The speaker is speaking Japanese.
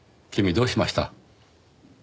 君どうしました？